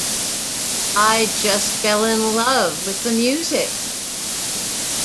I just fell in love with the music.